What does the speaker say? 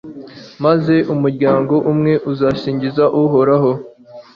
maze umuryango mushya uzasingize Uhoraho